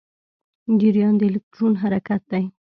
جریان د الکترون حرکت دی.